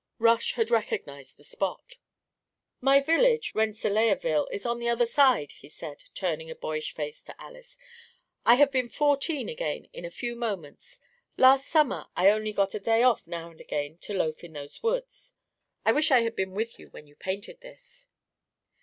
Rush had recognised the spot. "My village, Rennselaerville, is on the other side," he said, turning a boyish face to Alys. "I have been fourteen again for a few moments. Last summer I only got a day off now and again to loaf in those woods. I wish I had been with you when you painted this."